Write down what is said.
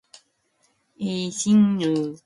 영신은 밥을 따라 동혁이 형제의 곁으로 간다.